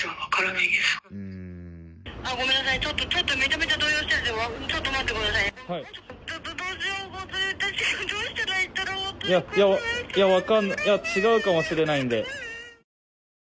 いや、違うかもしれないので。